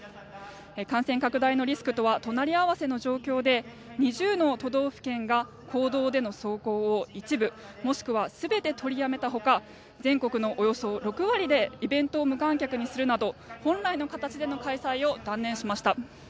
感染拡大のリスクとは隣り合わせの状況で２０の都道府県が公道での走行を一部もしくは全て取りやめたほか全国のおよそ６割でイベントを無観客にするなど本来の形での開催を断念しました。